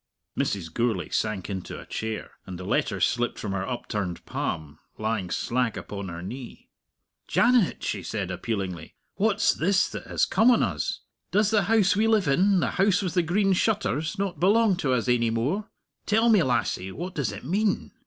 Mrs. Gourlay sank into a chair, and the letter slipped from her upturned palm, lying slack upon her knee. "Janet," she said, appealingly, "what's this that has come on us? Does the house we live in, the House with the Green Shutters, not belong to us ainy more? Tell me, lassie. What does it mean?"